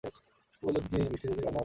অপু বলিল, দিদি, বিষ্টি যদি আর না থামে?